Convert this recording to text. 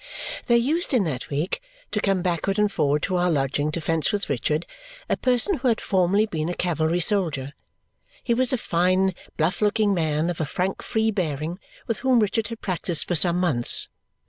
There used, in that week, to come backward and forward to our lodging to fence with Richard a person who had formerly been a cavalry soldier; he was a fine bluff looking man, of a frank free bearing, with whom Richard had practised for some months.